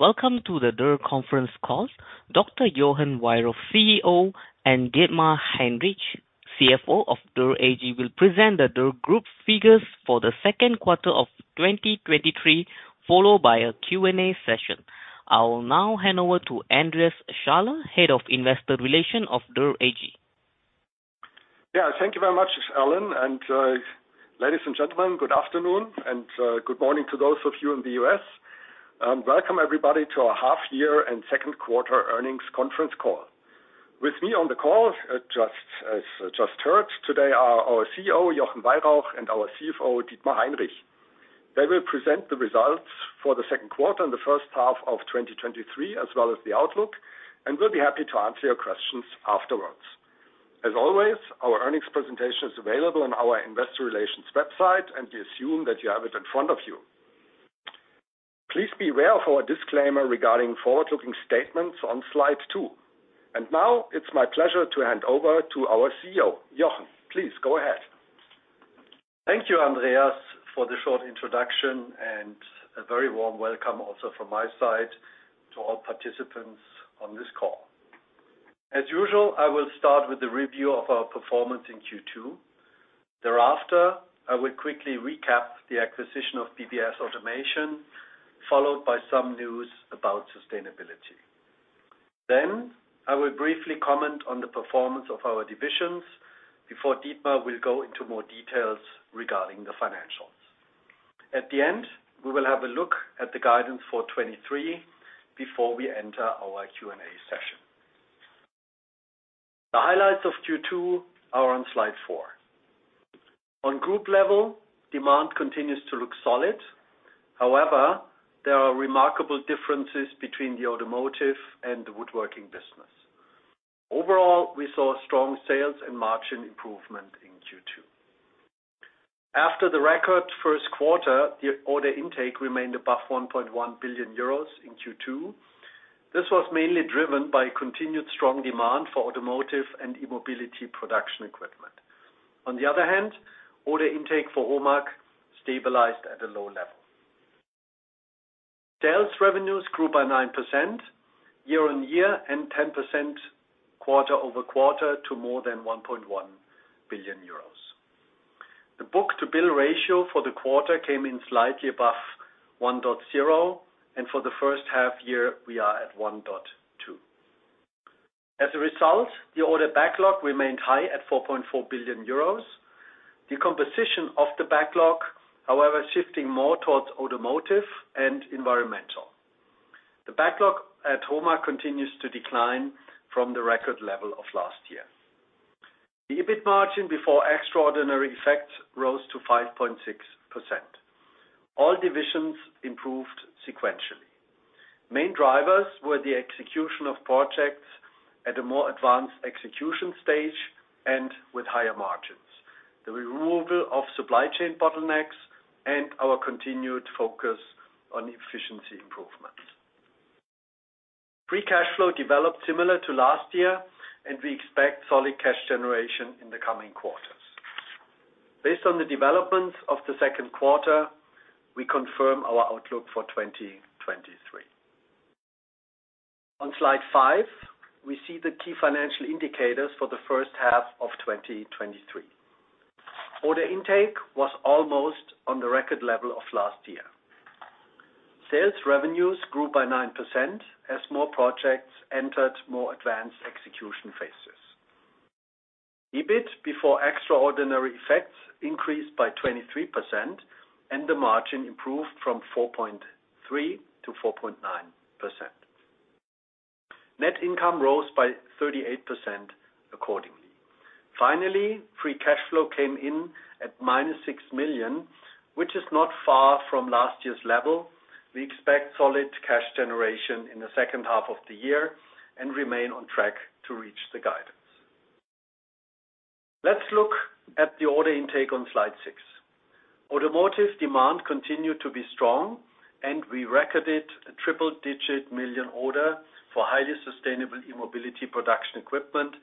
Welcome to the Dürr conference call. Dr. Jochen Weyrauch, CEO, and Dietmar Heinrich, CFO of Dürr AG, will present the Dürr Group figures for the second quarter of 2023, followed by a Q&A session. I will now hand over to Andreas Schaller, Head of Investor Relations of Dürr AG. Yeah, thank you very much, Alan, ladies and gentlemen, good afternoon, good morning to those of you in the US. Welcome everybody to our half year and second quarter earnings conference call. With me on the call, just as just heard today, are our CEO, Jochen Weyrauch, and our CFO, Dietmar Heinrich. They will present the results for the second quarter and the first half of 2023, as well as the outlook, and will be happy to answer your questions afterwards. As always, our earnings presentation is available on our investor relations website, and we assume that you have it in front of you. Please be aware of our disclaimer regarding forward-looking statements on slide two. Now it's my pleasure to hand over to our CEO. Jochen, please go ahead. Thank you, Andreas, for the short introduction. A very warm welcome also from my side to all participants on this call. As usual, I will start with the review of our performance in Q2. Thereafter, I will quickly recap the acquisition of BBS Automation, followed by some news about sustainability. I will briefly comment on the performance of our divisions before Dietmar will go into more details regarding the financials. At the end, we will have a look at the guidance for 2023 before we enter our Q&A session. The highlights of Q2 are on slide four. On group level, demand continues to look solid. There are remarkable differences between the automotive and the woodworking business. Overall, we saw strong sales and margin improvement in Q2. After the record first quarter, the order intake remained above 1.1 billion euros in Q2. This was mainly driven by continued strong demand for automotive and e-mobility production equipment. On the other hand, order intake for HOMAG stabilized at a low level. Sales revenues grew by 9% year-on-year and 10% quarter-over-quarter to more than 1.1 billion euros. The book-to-bill ratio for the quarter came in slightly above 1.0, and for the first half year, we are at 1.2. As a result, the order backlog remained high at 4.4 billion euros. The composition of the backlog, however, shifting more towards automotive and environmental. The backlog at HOMAG continues to decline from the record level of last year. The EBIT margin before extraordinary effects rose to 5.6%. All divisions improved sequentially. Main drivers were the execution of projects at a more advanced execution stage and with higher margins, the removal of supply chain bottlenecks, and our continued focus on efficiency improvements. Free cash flow developed similar to last year. We expect solid cash generation in the coming quarters. Based on the developments of the 2Q, we confirm our outlook for 2023. On slide five, we see the key financial indicators for the 1H of 2023. Order intake was almost on the record level of last year. Sales revenues grew by 9% as more projects entered more advanced execution phases. EBIT before extraordinary effects increased by 23%. The margin improved from 4.3%-4.9%. Net income rose by 38% accordingly. Finally, free cash flow came in at -6 million, which is not far from last year's level. We expect solid cash generation in the second half of the year and remain on track to reach the guidance. Let's look at the order intake on slide six. Automotive demand continued to be strong, and we recorded a triple-digit million order for highly sustainable e-mobility production equipment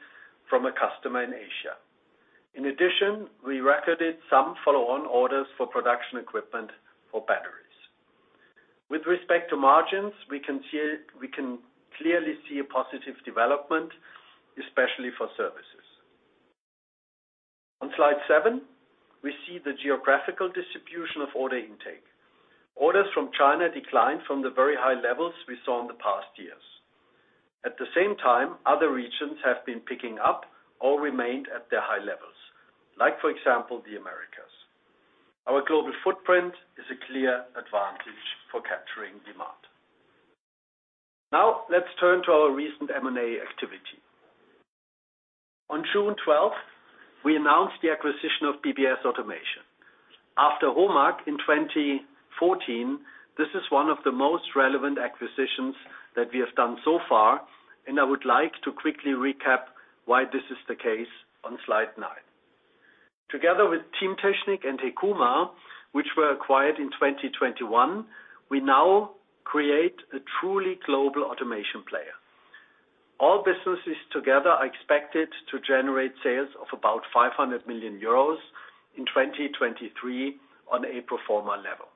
from a customer in Asia. In addition, we recorded some follow-on orders for production equipment for batteries. With respect to margins, we can clearly see a positive development, especially for services. On slide seven, we see the geographical distribution of order intake. Orders from China declined from the very high levels we saw in the past years. At the same time, other regions have been picking up or remained at their high levels, like, for example, the Americas. Our global footprint is a clear advantage for capturing demand. Now, let's turn to our recent M&A activity. On June 12th, we announced the acquisition of BBS Automation. After HOMAG in 2014, this is one of the most relevant acquisitions that we have done so far, and I would like to quickly recap why this is the case on slide nine. Together with Teamtechnik and Hekuma, which were acquired in 2021, we now create a truly global automation player. All businesses together are expected to generate sales of about 500 million euros in 2023 on a pro forma level.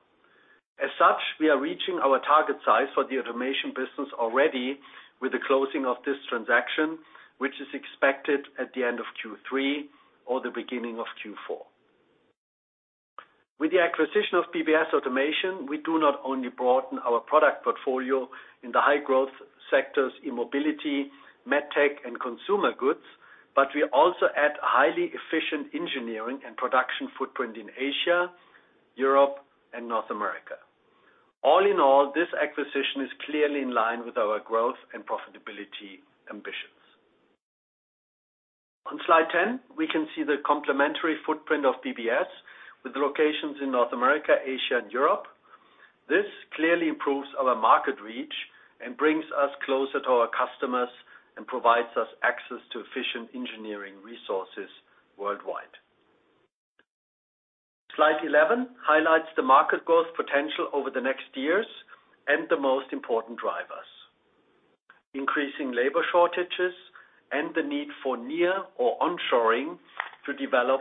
As such, we are reaching our target size for the automation business already with the closing of this transaction, which is expected at the end of Q3 or the beginning of Q4. With the acquisition of BBS Automation, we do not only broaden our product portfolio in the high growth sectors, e-mobility, medtech, and consumer goods, but we also add a highly efficient engineering and production footprint in Asia, Europe, and North America. All in all, this acquisition is clearly in line with our growth and profitability ambitions. On slide 10, we can see the complementary footprint of BBS, with locations in North America, Asia, and Europe. This clearly improves our market reach and brings us closer to our customers, and provides us access to efficient engineering resources worldwide. Slide 11 highlights the market growth potential over the next years and the most important drivers: increasing labor shortages and the need for near or onshoring to develop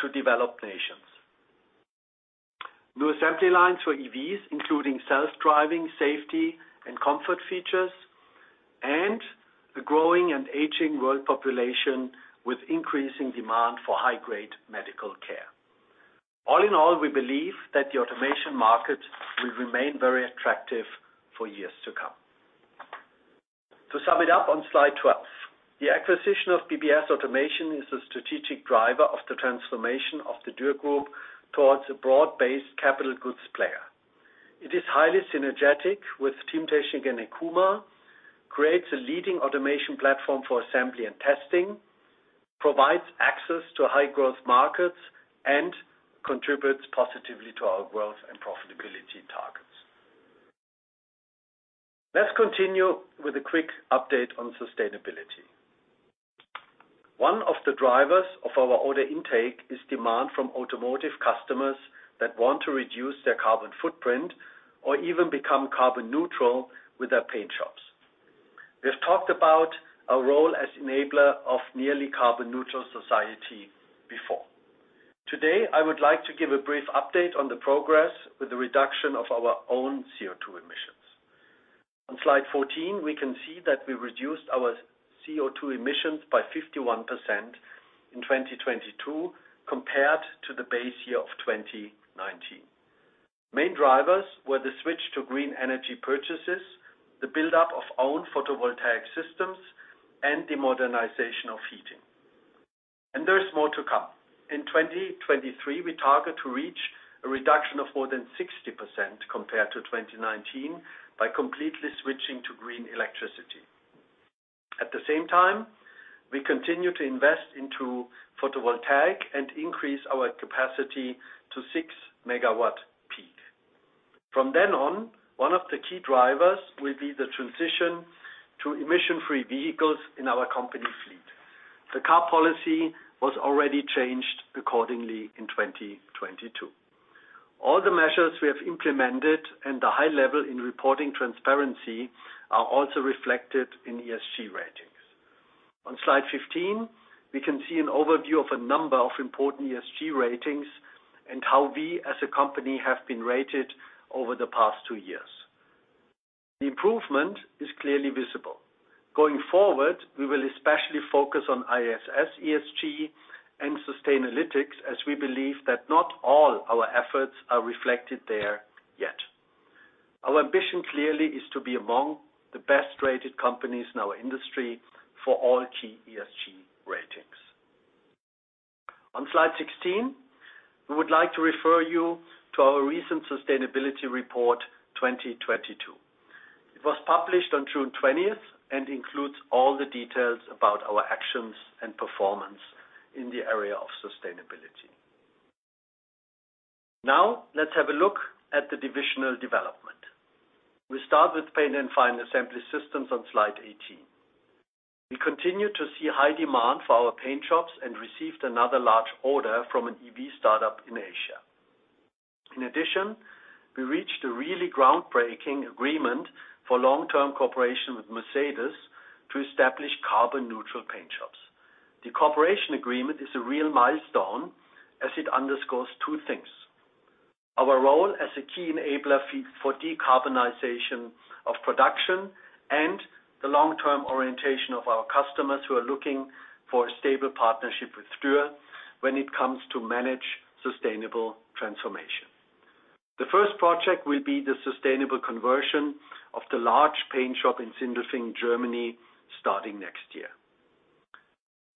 to developed nations. New assembly lines for EVs, including self-driving, safety, and comfort features, and the growing and aging world population, with increasing demand for high-grade medical care. All in all, we believe that the automation market will remain very attractive for years to come. To sum it up on slide 12, the acquisition of BBS Automation is a strategic driver of the transformation of the Dürr Group towards a broad-based capital goods player. It is highly synergetic with Teamtechnik and Hekuma, creates a leading automation platform for assembly and testing, provides access to high growth markets, and contributes positively to our growth and profitability targets. Let's continue with a quick update on sustainability. One of the drivers of our order intake is demand from automotive customers that want to reduce their carbon footprint, or even become carbon neutral with their paint shops. We've talked about our role as enabler of nearly carbon neutral society before. Today, I would like to give a brief update on the progress with the reduction of our own CO2 emissions. On Slide 14, we can see that we reduced our CO2 emissions by 51% in 2022, compared to the base year of 2019. Main drivers were the switch to green energy purchases, the buildup of own photovoltaic systems, and the modernization of heating. There is more to come. In 2023, we target to reach a reduction of more than 60% compared to 2019, by completely switching to green electricity. At the same time, we continue to invest into photovoltaic and increase our capacity to 6 MW peak. From then on, one of the key drivers will be the transition to emission-free vehicles in our company fleet. The car policy was already changed accordingly in 2022. All the measures we have implemented and the high level in reporting transparency are also reflected in ESG ratings. On Slide 15, we can see an overview of a number of important ESG ratings and how we, as a company, have been rated over the past two years. The improvement is clearly visible. Going forward, we will especially focus on ISS ESG and Sustainalytics, as we believe that not all our efforts are reflected there yet. Our ambition, clearly, is to be among the best-rated companies in our industry for all key ESG ratings. On Slide 16, we would like to refer you to our recent sustainability report, 2022. It was published on June 20th and includes all the details about our actions and performance in the area of sustainability. Now, let's have a look at the divisional development. We start with Paint and Final Assembly Systems on Slide 18. We continue to see high demand for our paint shops and received another large order from an EV startup in Asia. In addition, we reached a really groundbreaking agreement for long-term cooperation with Mercedes to establish carbon neutral paint shops. The cooperation agreement is a real milestone, as it underscores two things: our role as a key enabler for decarbonization of production, and the long-term orientation of our customers, who are looking for a stable partnership with Dürr when it comes to manage sustainable transformation. The first project will be the sustainable conversion of the large paint shop in Sindelfingen, Germany, starting next year.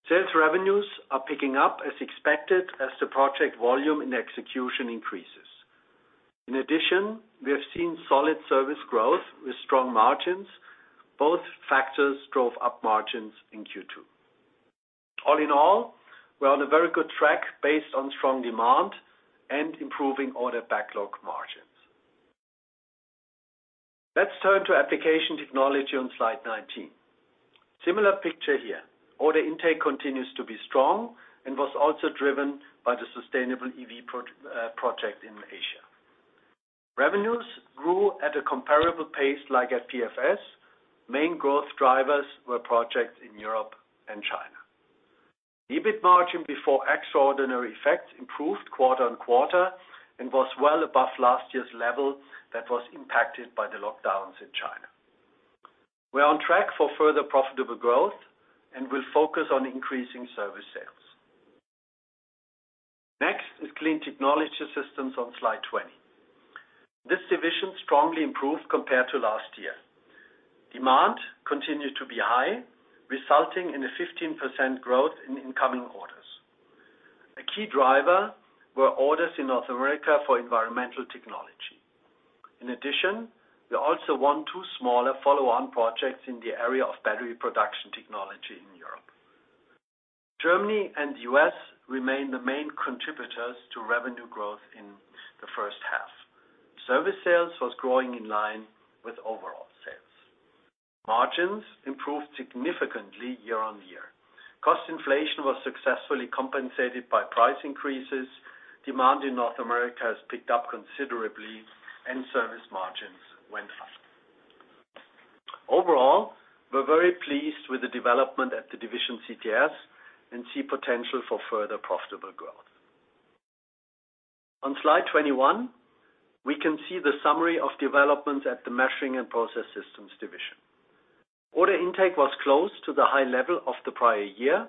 Sales revenues are picking up as expected, as the project volume and execution increases. In addition, we have seen solid service growth with strong margins. Both factors drove up margins in Q2. All in all, we are on a very good track based on strong demand and improving order backlog margins. Let's turn to Application Technology on Slide 19. Similar picture here. Order intake continues to be strong and was also driven by the sustainable EV project in Asia. Revenues grew at a comparable pace like at PFS. Main growth drivers were projects in Europe and China. EBIT margin before extraordinary effects improved quarter-on-quarter and was well above last year's level that was impacted by the lockdowns in China. We are on track for further profitable growth, and we'll focus on increasing service sales. Next is Clean Technology Systems on Slide 20. This division strongly improved compared to last year. Demand continued to be high, resulting in a 15% growth in incoming orders. A key driver were orders in North America for environmental technology. We also won two smaller follow-on projects in the area of battery production technology in Europe. Germany and U.S. remain the main contributors to revenue growth in the first half. Service sales was growing in line with overall sales. Margins improved significantly year-on-year. Cost inflation was successfully compensated by price increases. Demand in North America has picked up considerably, and service margins went up. Overall, we're very pleased with the development at the division CTS and see potential for further profitable growth. On Slide 21, we can see the summary of developments at the Measuring and Process Systems division. Order intake was close to the high level of the prior year.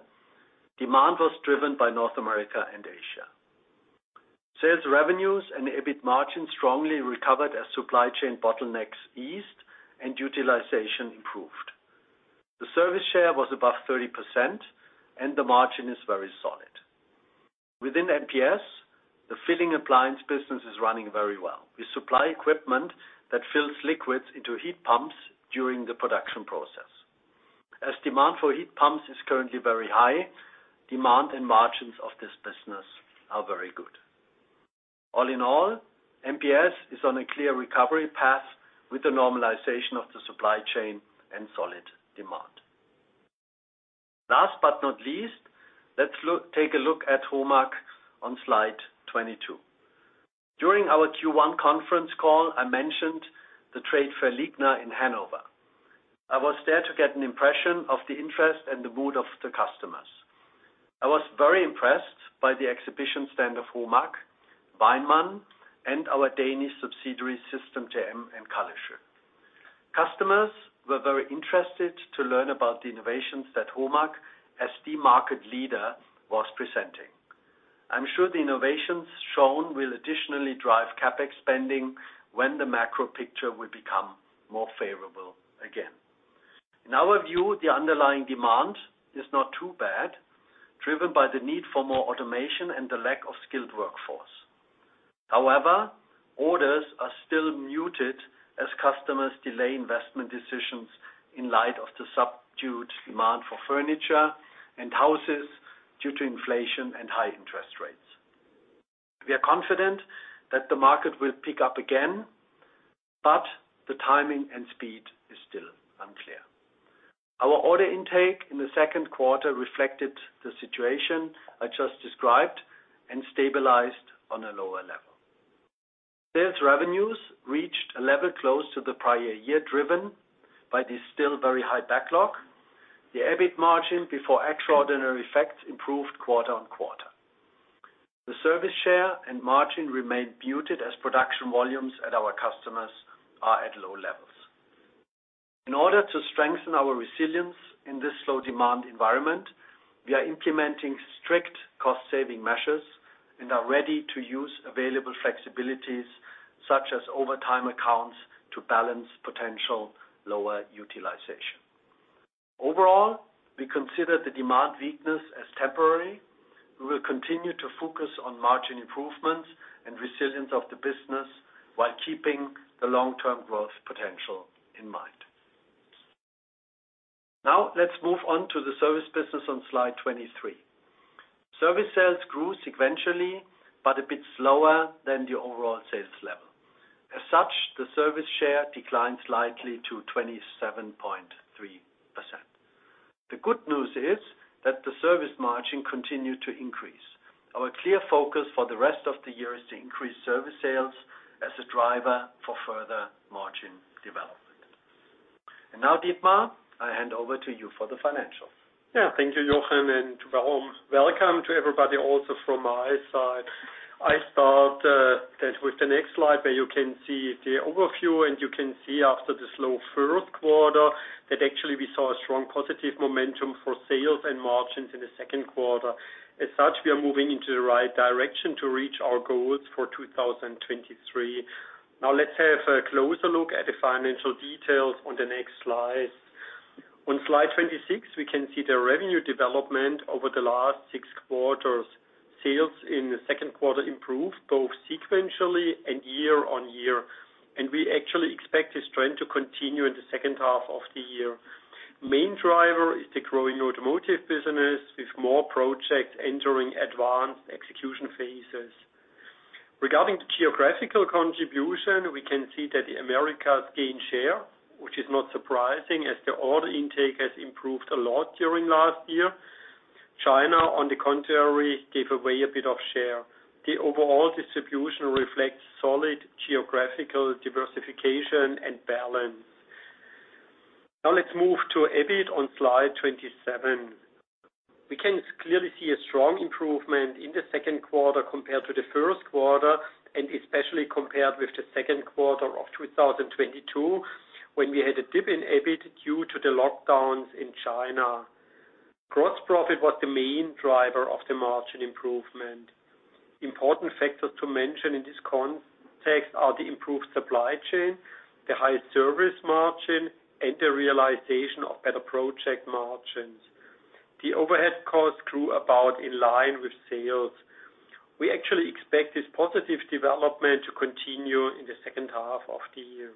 Demand was driven by North America and Asia. Sales revenues and EBIT margin strongly recovered as supply chain bottlenecks eased and utilization improved. The service share was above 30%, and the margin is very solid. Within MPS, the filling appliance business is running very well. We supply equipment that fills liquids into heat pumps during the production process. Demand for heat pumps is currently very high, demand and margins of this business are very good. All in all, MPS is on a clear recovery path with the normalization of the supply chain and solid demand. Last but not least, let's take a look at HOMAG on Slide 22. During our Q1 conference call, I mentioned the trade fair LIGNA in Hanover. I was there to get an impression of the interest and the mood of the customers. I was very impressed by the exhibition stand of HOMAG, WEINMANN, and our Danish subsidiary, System TM and Kallesoe. Customers were very interested to learn about the innovations that HOMAG, as the market leader, was presenting. I'm sure the innovations shown will additionally drive CapEx spending when the macro picture will become more favorable again. In our view, the underlying demand is not too bad, driven by the need for more automation and the lack of skilled workforce. However, orders are still muted as customers delay investment decisions in light of the subdued demand for furniture and houses due to inflation and high interest rates. We are confident that the market will pick up again, but the timing and speed is still unclear. Our order intake in the second quarter reflected the situation I just described and stabilized on a lower level. Sales revenues reached a level close to the prior year, driven by the still very high backlog. The EBIT margin before extraordinary effects improved quarter on quarter. The service share and margin remained muted as production volumes at our customers are at low levels. In order to strengthen our resilience in this slow demand environment, we are implementing strict cost-saving measures and are ready to use available flexibilities, such as overtime accounts, to balance potential lower utilization. Overall, we consider the demand weakness as temporary. We will continue to focus on margin improvements and resilience of the business while keeping the long-term growth potential in mind. Now, let's move on to the service business on Slide 23. Service sales grew sequentially, but a bit slower than the overall sales level. As such, the service share declined slightly to 27.3%. The good news is that the service margin continued to increase. Our clear focus for the rest of the year is to increase service sales as a driver for further margin development. Now, Dietmar, I hand over to you for the financials. Yeah. Thank you, Jochen, welcome. Welcome to everybody, also from my side. I start that with the next slide, where you can see the overview. You can see after the slow first quarter, that actually we saw a strong positive momentum for sales and margins in the second quarter. As such, we are moving into the right direction to reach our goals for 2023. Let's have a closer look at the financial details on the next slide. On Slide 26, we can see the revenue development over the last six quarters. Sales in the second quarter improved both sequentially and year-on-year. We actually expect this trend to continue in the second half of the year. Main driver is the growing automotive business, with more projects entering advanced execution phases. Regarding the geographical contribution, we can see that the Americas gained share, which is not surprising, as the order intake has improved a lot during last year. China, on the contrary, gave away a bit of share. The overall distribution reflects solid geographical diversification and balance. Let's move to EBIT on slide 27. We can clearly see a strong improvement in the second quarter compared to the first quarter, and especially compared with the second quarter of 2022, when we had a dip in EBIT due to the lockdowns in China. Gross profit was the main driver of the margin improvement. Important factors to mention in this context are the improved supply chain, the high service margin, and the realization of better project margins. The overhead costs grew about in line with sales. We actually expect this positive development to continue in the second half of the year.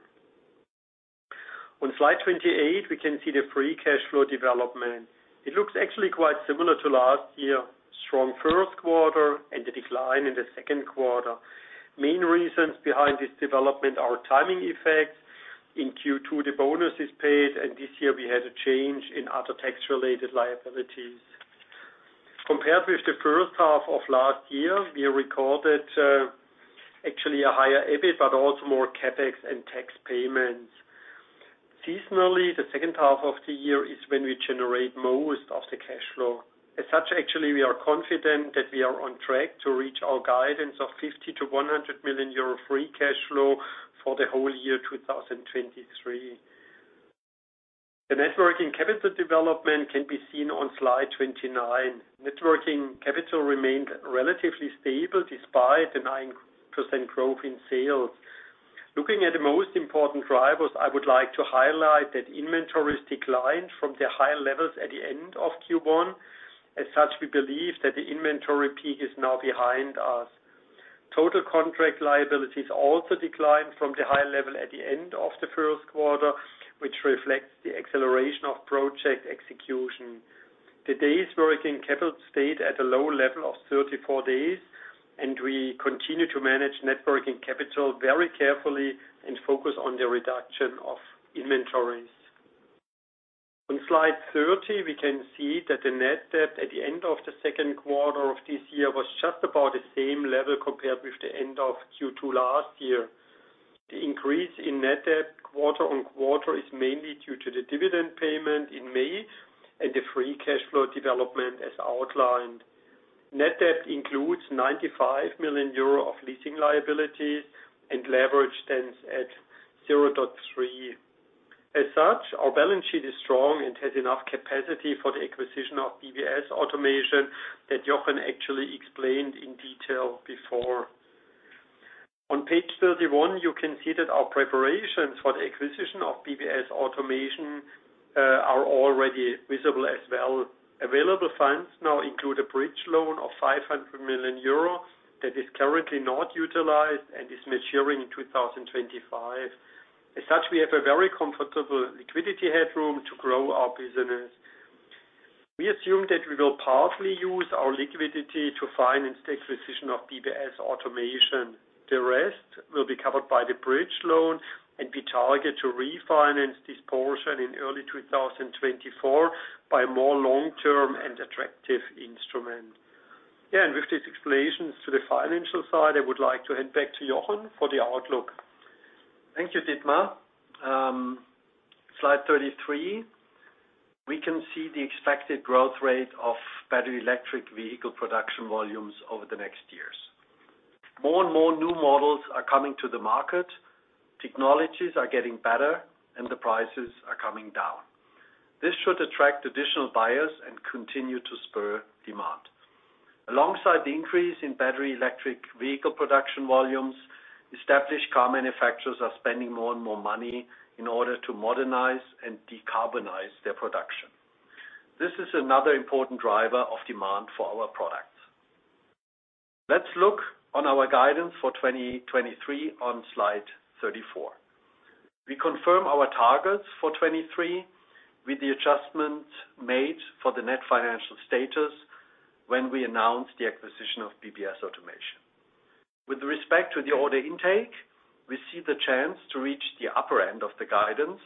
On slide 28, we can see the free cash flow development. It looks actually quite similar to last year: strong first quarter and a decline in the second quarter. Main reasons behind this development are timing effects. In Q2, the bonus is paid, and this year we had a change in other tax-related liabilities. Compared with the first half of last year, we recorded, actually a higher EBIT, but also more CapEx and tax payments. Seasonally, the second half of the year is when we generate most of the cash flow. As such, actually, we are confident that we are on track to reach our guidance of 50 million-100 million euro free cash flow for the whole year 2023. The net working capital development can be seen on slide 29. Net working capital remained relatively stable despite the 9% growth in sales. Looking at the most important drivers, I would like to highlight that inventories declined from the higher levels at the end of Q1. As such, we believe that the inventory peak is now behind us. Total contract liabilities also declined from the high level at the end of the first quarter, which reflects the acceleration of project execution. The days working capital stayed at a low level of 34 days, and we continue to manage net working capital very carefully and focus on the reduction of inventories. On slide 30, we can see that the net debt at the end of the second quarter of this year was just about the same level compared with the end of Q2 last year. The increase in net debt quarter-on-quarter is mainly due to the dividend payment in May and the free cash flow development as outlined. Net debt includes 95 million euro of leasing liabilities, and leverage stands at 0.3. Our balance sheet is strong and has enough capacity for the acquisition of BBS Automation that Jochen actually explained in detail before. On page 31, you can see that our preparations for the acquisition of BBS Automation are already visible as well. Available funds now include a bridge loan of 500 million euro that is currently not utilized and is maturing in 2025. We have a very comfortable liquidity headroom to grow our business. We assume that we will partly use our liquidity to finance the acquisition of BBS Automation. The rest will be covered by the bridge loan, we target to refinance this portion in early 2024 by more long-term and attractive instrument. Yeah, with these explanations to the financial side, I would like to hand back to Jochen for the outlook. Thank you, Dietmar. Slide 33, we can see the expected growth rate of battery electric vehicle production volumes over the next years. More and more new models are coming to the market, technologies are getting better, and the prices are coming down. This should attract additional buyers and continue to spur demand. Alongside the increase in battery electric vehicle production volumes, established car manufacturers are spending more and more money in order to modernize and decarbonize their production. This is another important driver of demand for our products. Let's look on our guidance for 2023 on slide 34. We confirm our targets for 23, with the adjustments made for the net financial status when we announced the acquisition of BBS Automation. With respect to the order intake, we see the chance to reach the upper end of the guidance.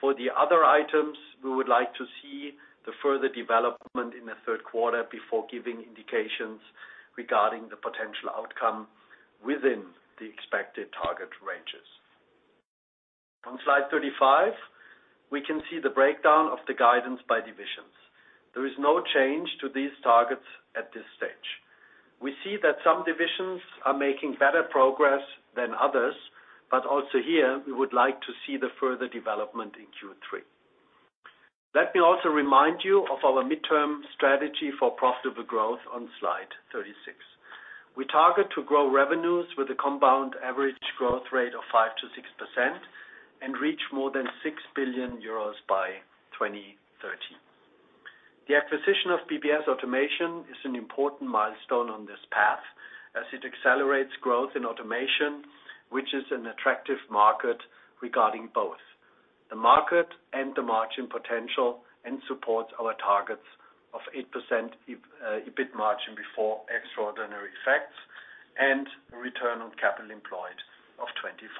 For the other items, we would like to see the further development in the third quarter before giving indications regarding the potential outcome within the expected target ranges. On slide 35, we can see the breakdown of the guidance by divisions. There is no change to these targets at this stage. We see that some divisions are making better progress than others, but also here, we would like to see the further development in Q3. Let me also remind you of our midterm strategy for profitable growth on slide 36. We target to grow revenues with a compound annual growth rate of 5%-6% and reach more than 6 billion euros by 2030. The acquisition of BBS Automation is an important milestone on this path, as it accelerates growth in automation, which is an attractive market regarding both the market and the margin potential, and supports our targets of 8% EBIT margin before extraordinary effects, and return on capital employed of 25%.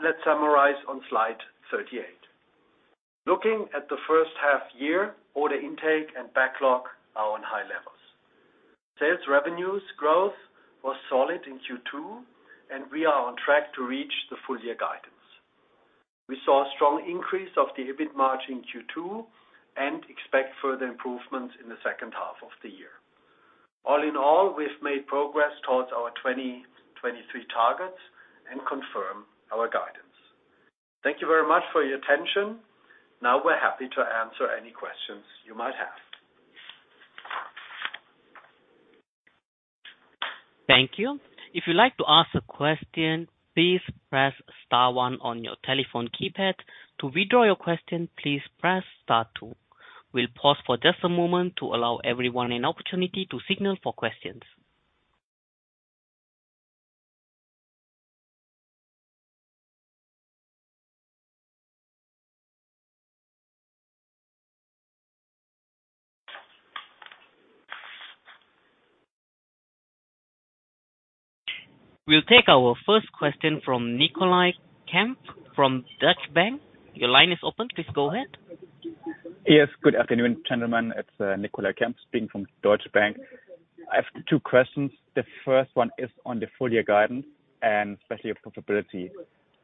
Let's summarize on slide 38. Looking at the first half year, order intake and backlog are on high levels. Sales revenues growth was solid in Q2, and we are on track to reach the full year guidance. We saw a strong increase of the EBIT margin in Q2, and expect further improvements in the second half of the year. All in all, we've made progress towards our 2023 targets and confirm our guidance. Thank you very much for your attention. We're happy to answer any questions you might have. Thank you. If you'd like to ask a question, please press star one on your telephone keypad. To withdraw your question, please press star two. We'll pause for just a moment to allow everyone an opportunity to signal for questions. We'll take our first question from Nicolai Kempf, from Deutsche Bank. Your line is open. Please go ahead. Yes, good afternoon, gentlemen. It's Nicolai Kempf speaking from Deutsche Bank. I have two questions. The first one is on the full year guidance and especially your profitability.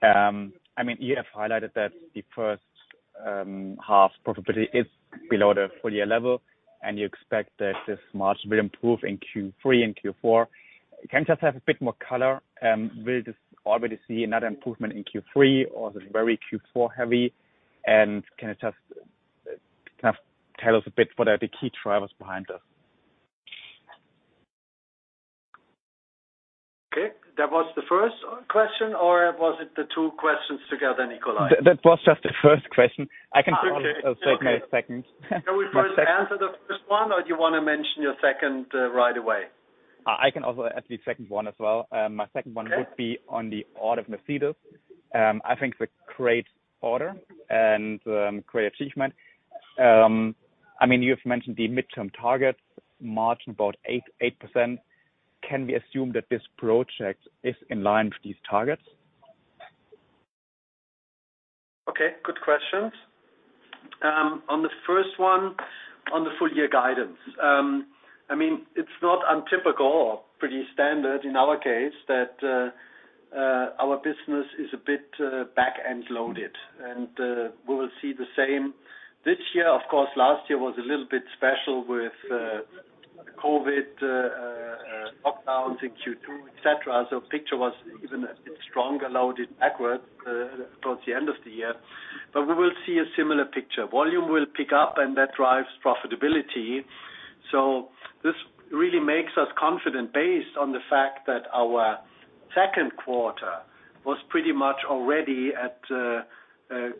I mean, you have highlighted that the first half profitability is below the full year level, and you expect that this margin will improve in Q3 and Q4. Can you just have a bit more color, will this already see another improvement in Q3 or is it very Q4 heavy? Can you just kind of tell us a bit what are the key drivers behind this? Okay. That was the first question, or was it the two questions together, Nicolai? That was just the first question. I can also take my second. Can we first answer the first one, or do you want to mention your second right away? I can also ask the second one as well. My second one. Okay. Would be on the order of Mercedes-Benz. I think it's a great order and great achievement. I mean, you have mentioned the midterm target margin, about 8%. Can we assume that this project is in line with these targets? Okay, good questions. On the first one, on the full year guidance. I mean, it's not untypical or pretty standard in our case, that our business is a bit back-end loaded, and we will see the same this year. Of course, last year was a little bit special with COVID lockdowns in Q2, et cetera. Picture was even a bit stronger, loaded backwards towards the end of the year. We will see a similar picture. Volume will pick up, and that drives profitability. This really makes us confident based on the fact that our second quarter was pretty much already at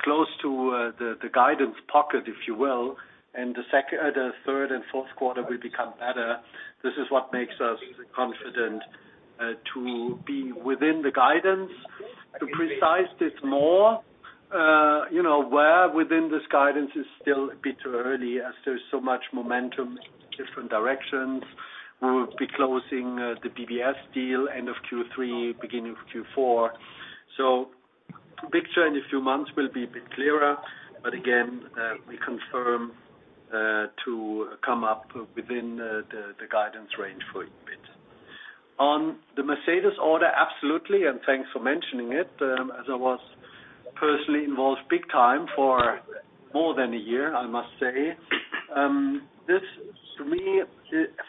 close to the guidance pocket, if you will, and the second, the third and fourth quarter will become better. This is what makes us confident to be within the guidance. To precise this more, you know, where within this guidance is still a bit early as there's so much momentum in different directions. We will be closing the BBS deal end of Q3, beginning of Q4. So the picture in a few months will be a bit clearer, but again, we confirm to come up within the guidance range for EBIT. On the Mercedes-Benz order, absolutely, and thanks for mentioning it, as I was personally involved big time for more than a year, I must say. This, to me,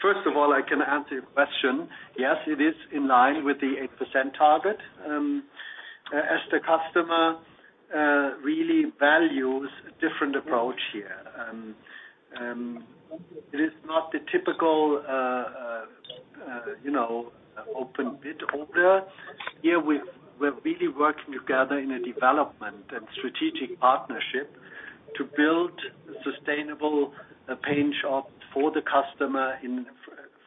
first of all, I can answer your question. Yes, it is in line with the 8% target, as the customer really values a different approach here. It is not the typical, you know, open bid order. Here, we're really working together in a development and strategic partnership to build sustainable paint shop for the customer in,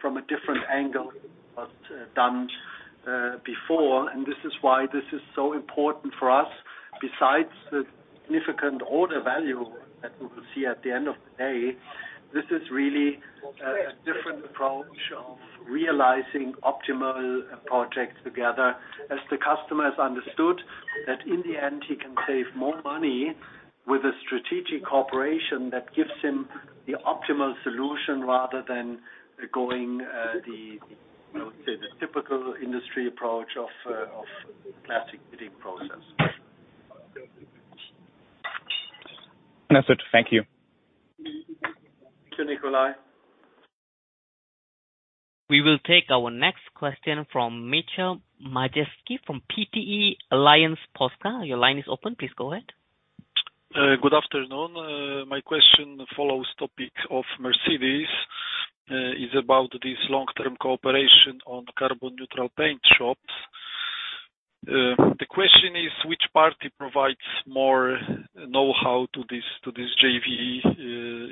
from a different angle, as done before. This is why this is so important for us. Besides the significant order value that we will see at the end of the day, this is really a different approach of realizing optimal projects together. As the customer has understood that in the end, he can save more money with a strategic cooperation that gives him the optimal solution, rather than going the, you know, say, the typical industry approach of classic bidding process. That's it. Thank you. Thank you, Nicolai. We will take our next question from Michał Majeski from PTE Alliance Posta. Your line is open. Please go ahead. Good afternoon. My question follows topic of Mercedes-Benz. Is about this long-term cooperation on carbon neutral paint shops. The question is, which party provides more know-how to this, to this JV?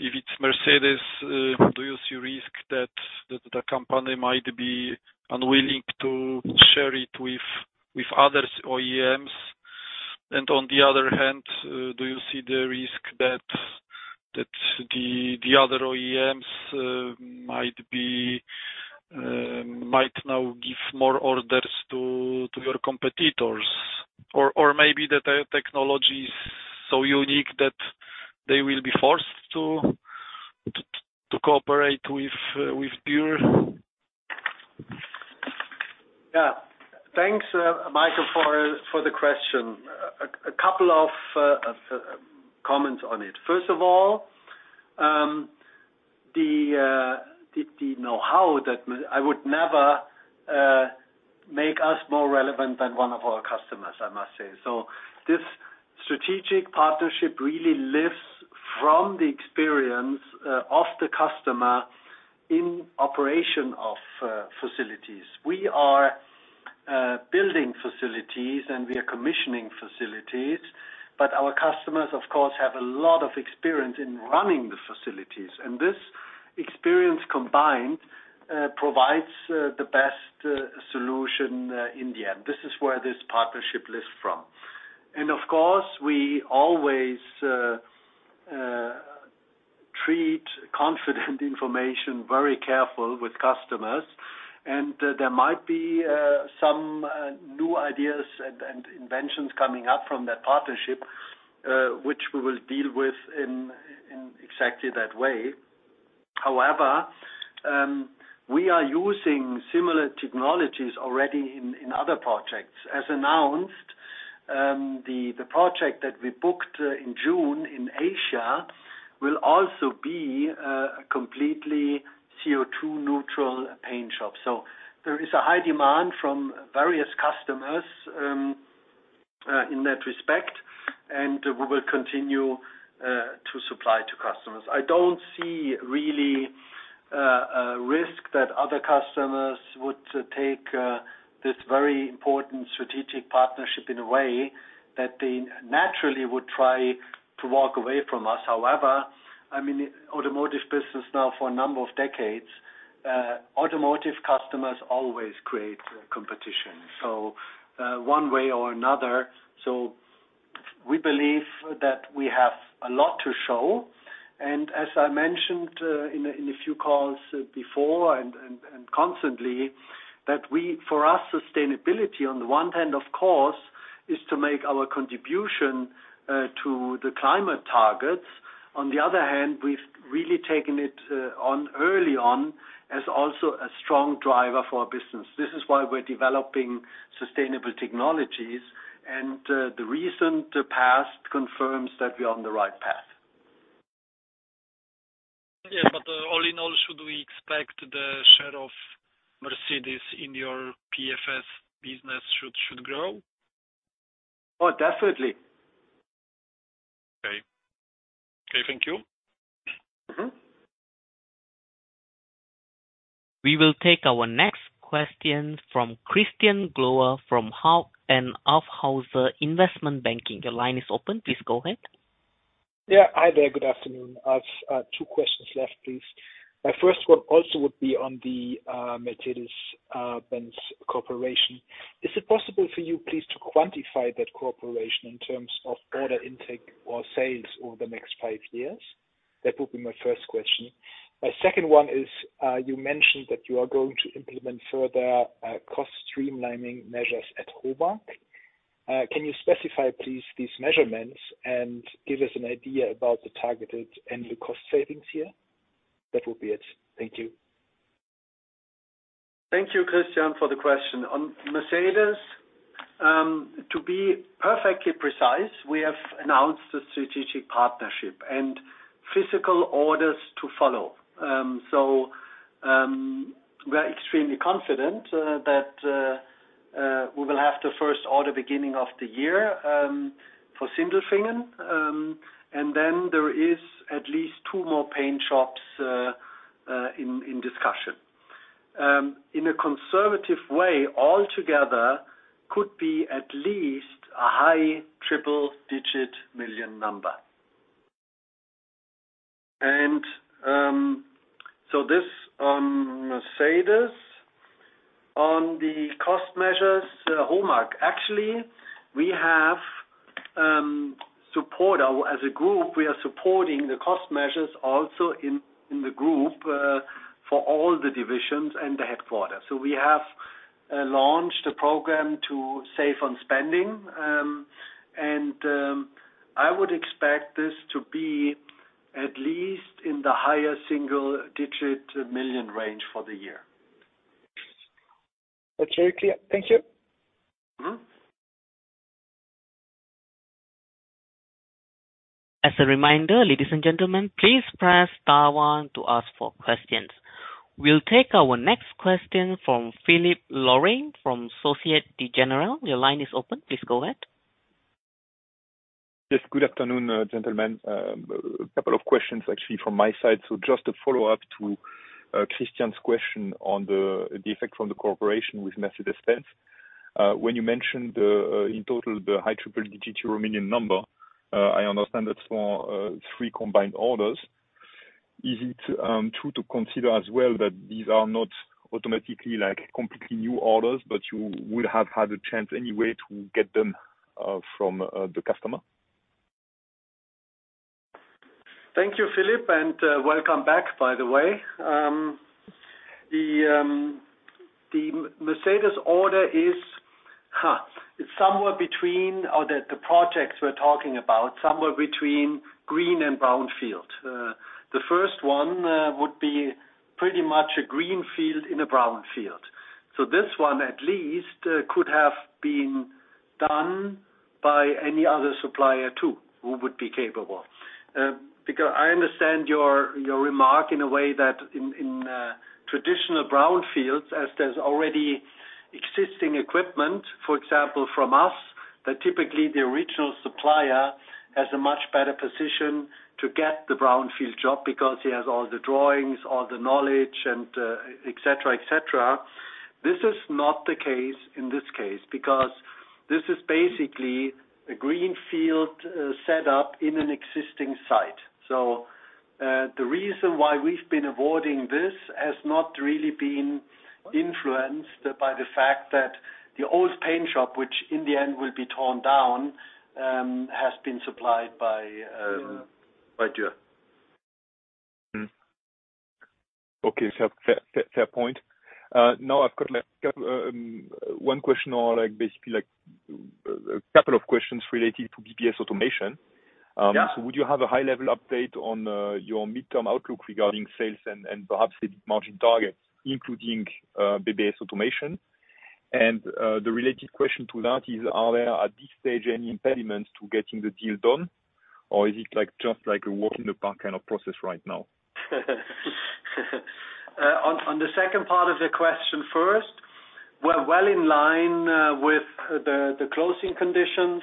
If it's Mercedes-Benz, do you see risk that the, the company might be unwilling to share it with, with other OEMs? On the other hand, do you see the risk that the, the other OEMs, might be, might now give more orders to, to your competitors, or, or maybe the technology is so unique that they will be forced to, to, to cooperate with, with you? Yeah. Thanks, Michael, for the question. A couple of comments on it. First of all, the know-how that I would never make us more relevant than one of our customers, I must say. This strategic partnership really lives from the experience of the customer in operation of facilities. We are building facilities, and we are commissioning facilities, but our customers, of course, have a lot of experience in running the facilities. This experience combined provides the best solution in the end. This is where this partnership lives from. Of course, we always treat confident information very careful with customers. There might be some new ideas and inventions coming up from that partnership, which we will deal with in exactly that way. However, we are using similar technologies already in other projects. As announced, the project that we booked in June in Asia will also be a completely CO2 neutral paint shop. There is a high demand from various customers in that respect, and we will continue to supply to customers. I don't see really a risk that other customers would take this very important strategic partnership in a way that they naturally would try to walk away from us. However, I'm in the automotive business now for a number of decades. Automotive customers always create competition, so one way or another. We believe that we have a lot to show. As I mentioned, in a, in a few calls before and, and, and constantly, for us, sustainability, on the one hand, of course, is to make our contribution, to the climate targets. On the other hand, we've really taken it, on early on as also a strong driver for our business. This is why we're developing sustainable technologies, and, the recent past confirms that we're on the right path. All in all, should we expect the share of Mercedes-Benz in your PFS business should grow? Oh, definitely. Okay. Okay, thank you. Mm-hmm. We will take our next question from Christian Glowa from Hauck & Aufhäuser Investment Banking. Your line is open. Please go ahead. Yeah. Hi there. Good afternoon. I've two questions left, please. My first one also would be on the Mercedes-Benz Cooperation. Is it possible for you, please, to quantify that cooperation in terms of order intake or sales over the next five years? That would be my first question. My second one is, you mentioned that you are going to implement further cost streamlining measures at HOMAG. Can you specify, please, these measurements and give us an idea about the targeted annual cost savings here? That will be it. Thank you. Thank you, Christian, for the question. On Mercedes-Benz, to be perfectly precise, we have announced a strategic partnership and physical orders to follow. We are extremely confident that we will have the first order beginning of the year for Sindelfingen, and then there is at least two more paint shops in discussion. In a conservative way, altogether could be at least a high EUR triple-digit million number. This on Mercedes-Benz. On the cost measures, HOMAG, actually, we have support As a group, we are supporting the cost measures also in the group for all the divisions and the headquarters. We have launched a program to save on spending, and I would expect this to be at least in the higher EUR single digit million range for the year. Okay. Clear. Thank you. Mm-hmm. As a reminder, ladies and gentlemen, please press star one to ask for questions. We'll take our next question from Philippe Lorrain, from Société Générale. Your line is open. Please go ahead. Yes, good afternoon, gentlemen. A couple of questions actually from my side. Just a follow-up to Christian's question on the effect from the cooperation with Mercedes-Benz. When you mentioned, in total, the high triple digit million number, I understand that's for three combined orders. Is it true to consider as well that these are not automatically like completely new orders, but you would have had a chance anyway to get them from the customer? Thank you, Philippe, welcome back, by the way. The Mercedes-Benz order is, huh, it's somewhere between, or the projects we're talking about, somewhere between greenfield and brownfield. The first one would be pretty much a greenfield in a brownfield. This one, at least, could have been done by any other supplier, too, who would be capable. Because I understand your, your remark in a way that in, in traditional brownfields, as there's already existing equipment, for example, from us, that typically the original supplier has a much better position to get the brownfield job because he has all the drawings, all the knowledge, and et cetera, et cetera. This is not the case in this case, because this is basically a greenfield set up in an existing site. The reason why we've been avoiding this has not really been influenced by the fact that the old paint shop, which in the end will be torn down, has been supplied by by Dürr. Mm-hmm. Okay, fair, fair, fair point. Now I've got, like, 1 question or like, basically like, a couple of questions related to BBS Automation. Yeah. Would you have a high-level update on your midterm outlook regarding sales and, and perhaps the margin targets, including BBS Automation? The related question to that is, are there, at this stage, any impediments to getting the deal done, or is it like, just like a walk in the park kind of process right now? On the second part of the question first, we're well in line with the closing conditions.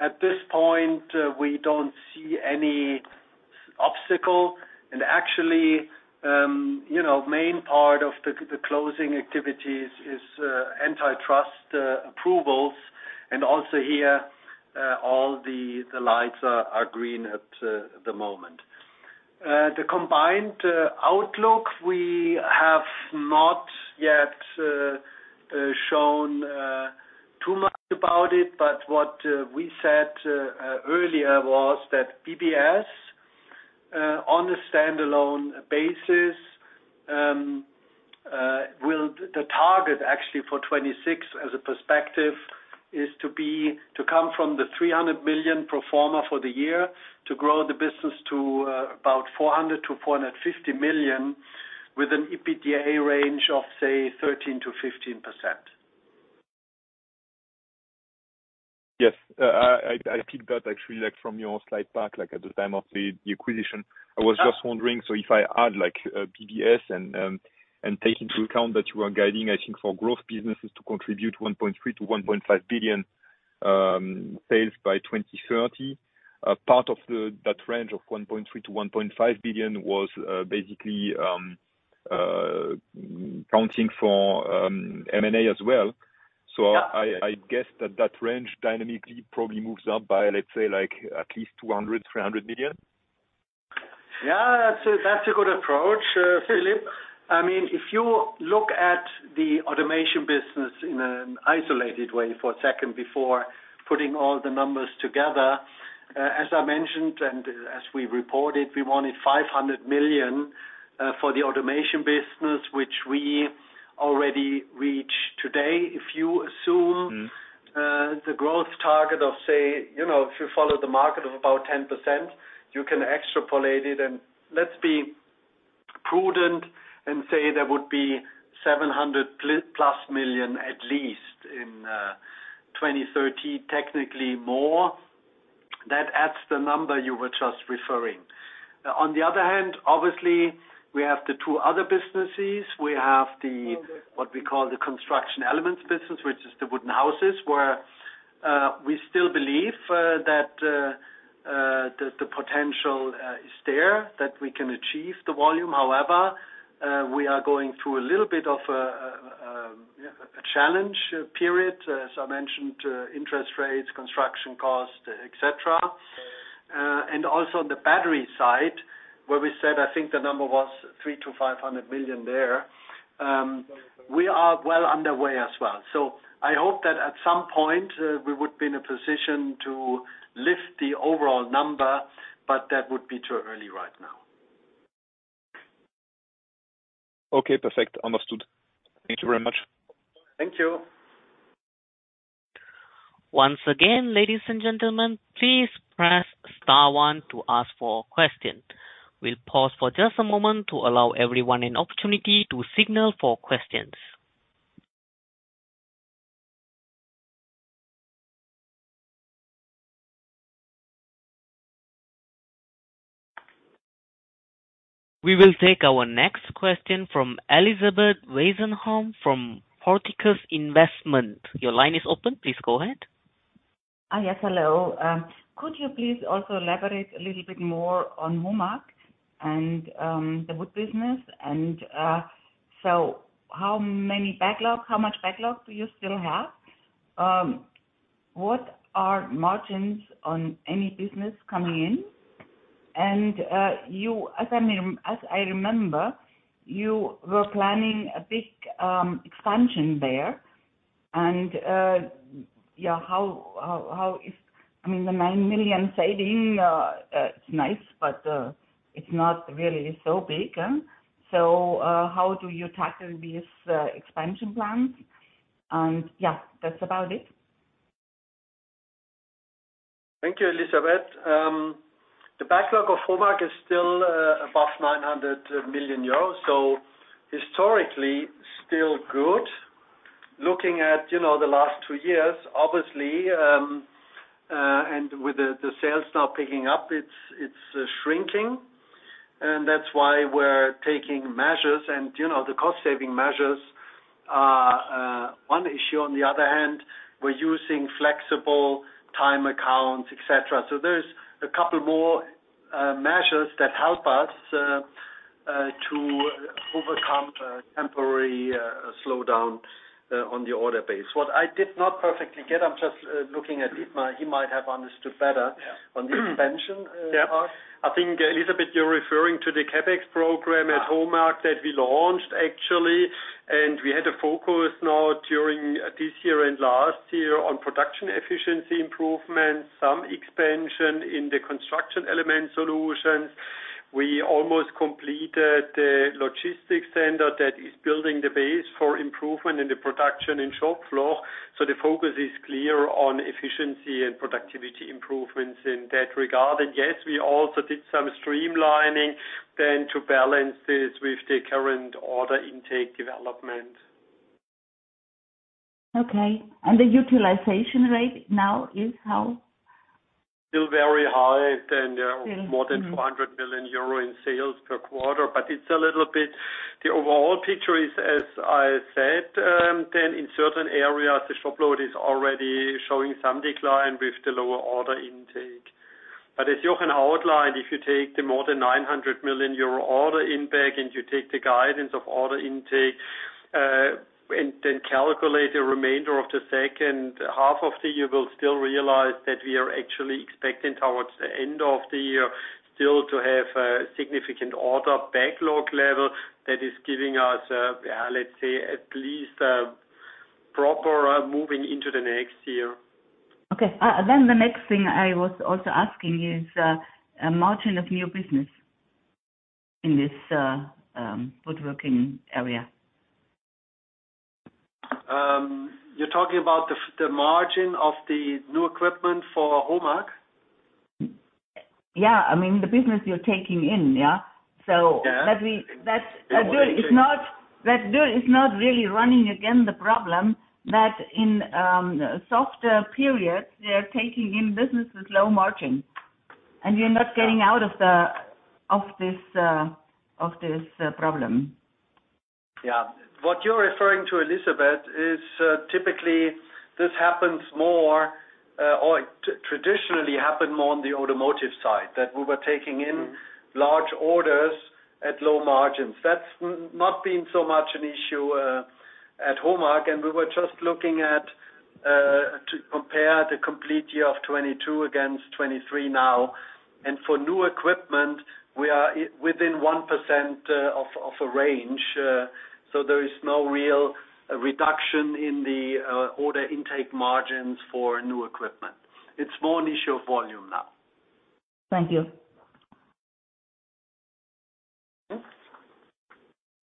At this point, we don't see any obstacle, and actually, you know, main part of the closing activities is antitrust approvals, and also here, all the lights are green at the moment. The combined outlook, we have not yet shown too much about it, but what we said earlier was that BBS, on a standalone basis, The target actually for 2026 as a perspective, is to be, to come from the 300 million pro forma for the year to grow the business to about 400 million-450 million, with an EBITDA range of, say, 13%-15%. Yes. I think that actually, like, from your slide back, like, at the time of the acquisition. Yeah. I was just wondering, if I add, like, BBS and take into account that you are guiding, I think, for growth businesses to contribute 1.3 billion-1.5 billion sales by 2030. Part of the, that range of 1.3 billion-1.5 billion was, basically, counting for M&A as well. Yeah. I, I guess that, that range dynamically probably moves up by, let's say, like at least 200 million, 300 million? Yeah, that's a, that's a good approach, Philip. I mean, if you look at the automation business in an isolated way for a second before putting all the numbers together, as I mentioned, and as we reported, we wanted 500 million for the automation business, which we already reached today. If you assume. Mm-hmm. The growth target of, say, you know, if you follow the market of about 10%, you can extrapolate it. Let's be prudent and say there would be 700+ million, at least in 2030, technically more. That adds the number you were just referring. On the other hand, obviously, we have the two other businesses. We have the, what we call the Construction Elements business, which is the wooden houses, where we still believe that the potential is there, that we can achieve the volume. However, we are going through a little bit of a challenge period, as I mentioned, interest rates, construction cost, et cetera. Also on the battery side, where we said, I think the number was 300 million-500 million there. We are well underway as well. I hope that at some point, we would be in a position to lift the overall number, but that would be too early right now. Okay, perfect. Understood. Thank you very much. Thank you. Once again, ladies and gentlemen, please press star one to ask for question. We'll pause for just a moment to allow everyone an opportunity to signal for questions. We will take our next question from Elisabeth Weisenhorn from Portikus Investment. Your line is open. Please go ahead. Yes, hello. Could you please also elaborate a little bit more on HOMAG and the wood business? How many backlog, how much backlog do you still have? What are margins on any business coming in? You, as I remember, you were planning a big expansion there. Yeah, how, how, how is, I mean, the 9 million saving, it's nice, but it's not really so big, huh? How do you tackle these expansion plans? Yeah, that's about it. Thank you, Elizabeth. The backlog of HOMAG is still above 900 million euros, so historically, still good. Looking at, you know, the last two years, obviously, and with the, the sales now picking up, it's, it's shrinking, and that's why we're taking measures. You know, the cost-saving measures are one issue. On the other hand, we're using flexible time accounts, et cetera. There's a couple more measures that help us to overcome a temporary slowdown on the order base. What I did not perfectly get, I'm just looking at Dietmar. He might have understood better, Yeah, on the expansion part. Yeah. I think, Elizabeth, you're referring to the CapEx program at HOMAG that we launched, actually. We had a focus now during this year and last year on production efficiency improvement, some expansion in the Construction Elements Solutions. We almost completed the logistics center that is building the base for improvement in the production and shop floor. The focus is clear on efficiency and productivity improvements in that regard. Yes, we also did some streamlining then to balance this with the current order intake development. Okay. The utilization rate now is how? Still very high than. Yeah. More than 400 million euro in sales per quarter. It's a little bit. The overall picture is, as I said, then in certain areas, the shop load is already showing some decline with the lower order intake. As Jochen outlined, if you take the more than 900 million euro order impact, you take the guidance of order intake, then calculate the remainder of the second half of the year, you will still realize that we are actually expecting, towards the end of the year, still to have a significant order backlog level that is giving us, yeah, let's say, at least, a proper moving into the next year. Okay. The next thing I was also asking is a margin of new business in this woodworking area. You're talking about the the margin of the new equipment for HOMAG? Yeah. I mean, the business you're taking in, yeah. So. Yeah. That we, that. Yeah. It's not, that deal is not really running again the problem, that in, softer periods, they're taking in business with low margin, and you're not getting out of the, of this, of this, problem. Yeah. What you're referring to, Elizabeth, is, typically this happens more, or traditionally happened more on the automotive side, that we were taking. Mm-hmm. large orders at low margins. That's not been so much an issue, at HOMAG, and we were just looking at to compare the complete year of 2022 against 2023 now. For new equipment, we are within 1%, of, of a range, so there is no real reduction in the order intake margins for new equipment. It's more an issue of volume now. Thank you. Okay.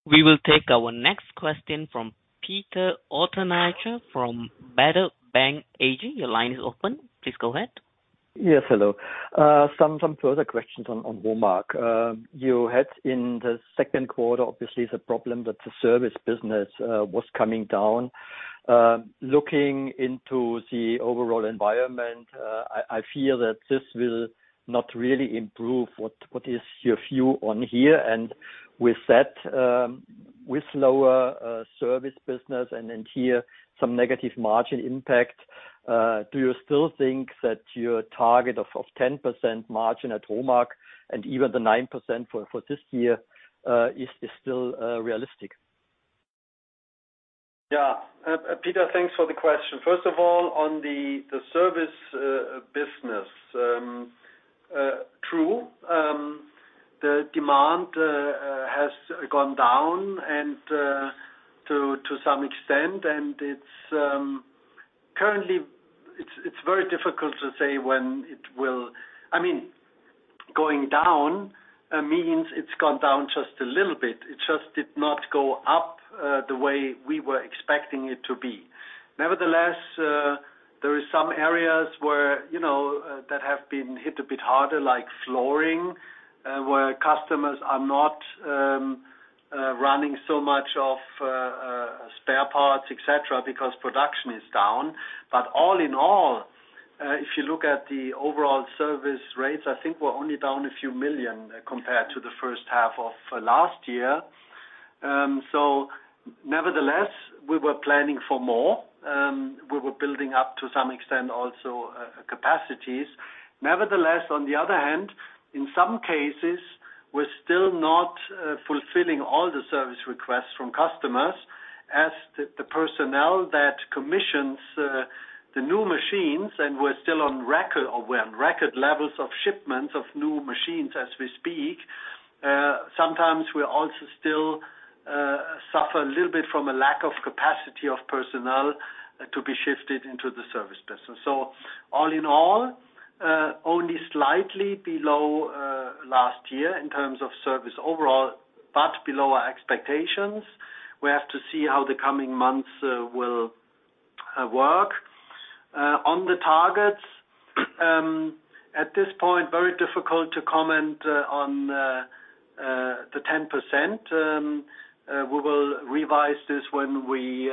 We will take our next question from Peter Rothenaicher from Baader Bank AG. Your line is open. Please go ahead. Yes, hello. Some further questions on HOMAG. You had in the second quarter, obviously, the problem that the service business was coming down. Looking into the overall environment, I feel that this will not really improve. What is your view on here? With that, with lower service business and then here some negative margin impact, do you still think that your target of 10% margin at HOMAG and even the 9% for this year is still realistic? Yeah. Peter, thanks for the question. First of all, on the service business. True, the demand has gone down and to some extent, and it's currently, it's very difficult to say when it will-- I mean, going down means it's gone down just a little bit. It just did not go up the way we were expecting it to be. Nevertheless, there is some areas where, you know, that have been hit a bit harder, like flooring, where customers are not running so much of spare parts, et cetera, because production is down. All in all, if you look at the overall service rates, I think we're only down EUR a few million compared to the first half of last year. Nevertheless, we were planning for more. We were building up, to some extent, also, capacities. Nevertheless, on the other hand, in some cases, we're still not fulfilling all the service requests from customers as the personnel that commissions the new machines, and we're still on record, or we're on record levels of shipments of new machines as we speak. Sometimes we also still suffer a little bit from a lack of capacity of personnel to be shifted into the service business. All in all, only slightly below last year in terms of service overall, but below our expectations. We have to see how the coming months will work. On the targets, at this point, very difficult to comment on the 10%. We will revise this when we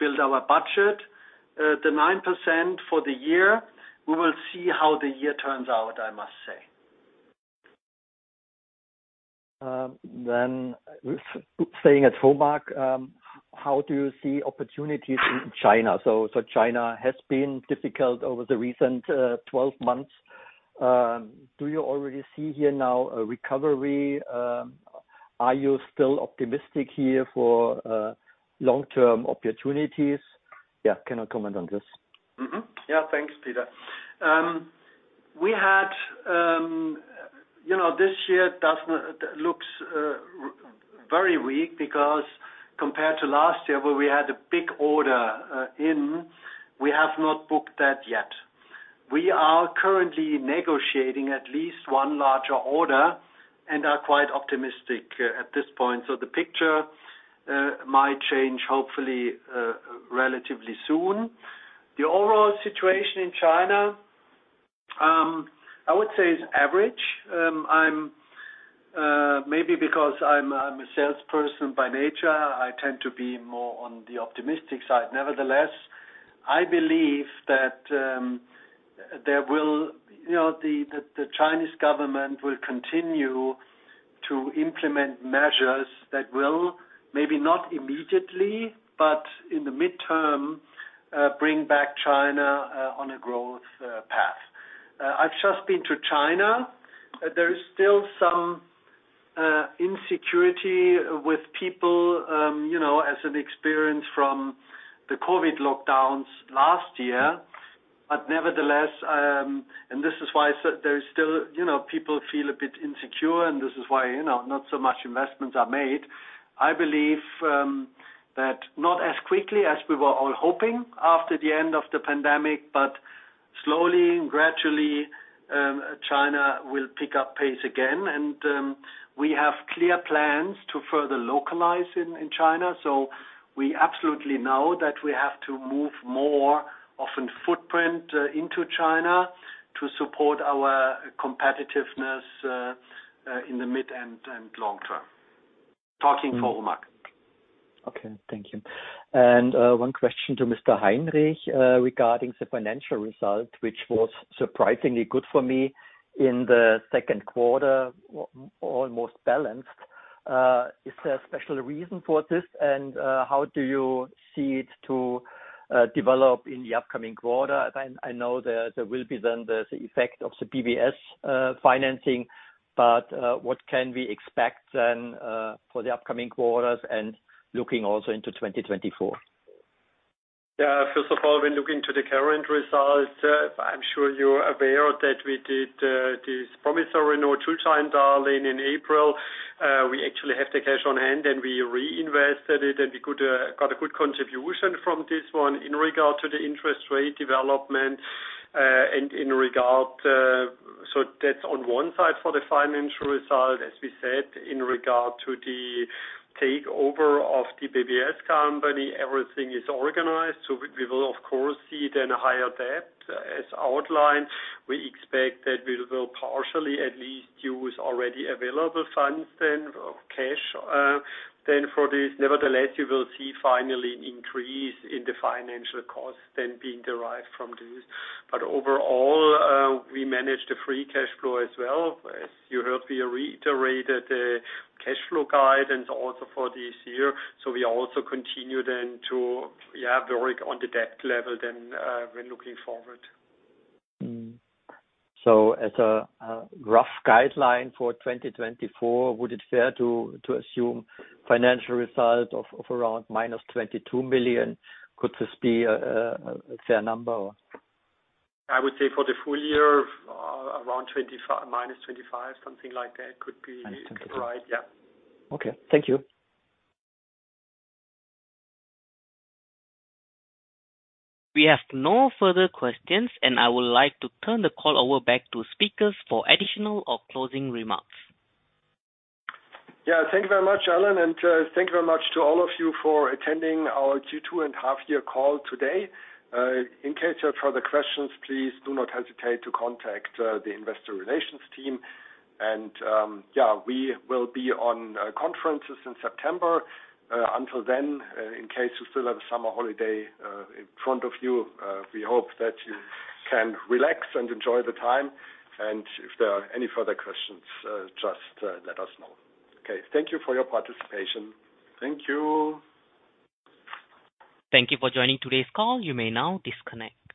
build our budget. The 9% for the year, we will see how the year turns out, I must say. Staying at HOMAG, how do you see opportunities in China? China has been difficult over the recent, 12 months. Do you already see here now a recovery? Are you still optimistic here for long-term opportunities? Yeah, can I comment on this? Mm-hmm. Yeah. Thanks, Peter. We had, you know, this year looks very weak because compared to last year, where we had a big order, we have not booked that yet. We are currently negotiating at least one larger order and are quite optimistic at this point. The picture might change, hopefully, relatively soon. The overall situation in China, I would say is average. I'm, maybe because I'm, I'm a salesperson by nature, I tend to be more on the optimistic side. Nevertheless, I believe that there will, you know, the Chinese government will continue to implement measures that will, maybe not immediately, but in the midterm, bring back China on a growth path. I've just been to China. There is still some insecurity with people, you know, as an experience from the COVID lockdowns last year. Nevertheless, this is why I said there is still, you know, people feel a bit insecure, and this is why, you know, not so much investments are made. I believe that not as quickly as we were all hoping after the end of the pandemic, but slowly and gradually, China will pick up pace again, we have clear plans to further localize in China. We absolutely know that we have to move more often footprint into China to support our competitiveness in the mid and long term. Talking for HOMAG. Okay, thank you. One question to Mr. Heinrich regarding the financial result, which was surprisingly good for me in the second quarter, almost balanced. Is there a special reason for this? How do you see it to develop in the upcoming quarter? I know there will be then the effect of the BBS financing, but what can we expect then for the upcoming quarters and looking also into 2024? Yeah, first of all, when looking to the current results, I'm sure you're aware that we did this promissory note two times loan in April. We actually have the cash on hand, and we reinvested it, and we could got a good contribution from this one in regard to the interest rate development, and in regard. That's on one side for the financial result, as we said, in regard to the takeover of the BBS company, everything is organized, we will of course, see then a higher debt. As outlined, we expect that we will partially at least use already available funds then, or cash, then for this. Nevertheless, you will see finally an increase in the financial costs then being derived from this. Overall, we managed the free cash flow as well. As you heard, we reiterated the cash flow guidance also for this year, so we also continue then to work on the debt level then when looking forward. Mm. as a, a rough guideline for 2024, would it fair to, to assume financial result of, of around -22 million? Could this be a fair number? I would say for the full year, around 25, minus 25, something like that could be. I see. Right. Yeah. Okay. Thank you. We have no further questions, and I would like to turn the call over back to speakers for additional or closing remarks. Yeah, thank you very much, Alan, thank you very much to all of you for attending our Q2 and half year call today. In case you have further questions, please do not hesitate to contact the investor relations team. Yeah, we will be on conferences in September. Until then, in case you still have a summer holiday in front of you, we hope that you can relax and enjoy the time, and if there are any further questions, just let us know. Okay. Thank you for your participation. Thank you. Thank you for joining today's call. You may now disconnect.